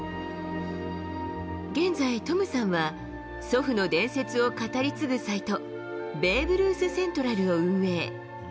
現在、トムさんは、祖父の伝説を語り継ぐサイト、ベーブ・ルースセントラルを運営。